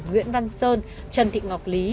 nguyễn văn sơn trần thị ngọc lý